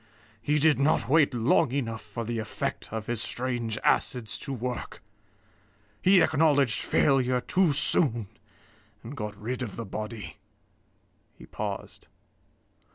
He did not wait long enough for the effect of his strange acids to work. He acknowledged failure too soon, and got rid of the body." He paused.